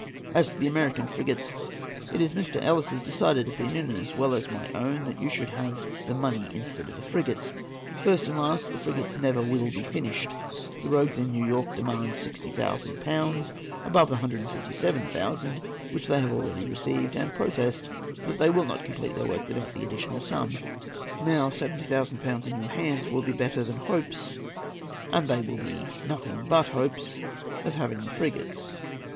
As to the American frigates, it is Mr. Ellice's decided opinion, as well as my own, that you should have the money instead of the frigates. First and last, the frigates never will be finished. The rogues at New York demand 60,000£ above the 157,000£ which they have already received, and protest they will not complete their work without the additional sum. Now 70,000£ in your hands will be better than the hopes —and they will be nothing but hopes —of having the frigates.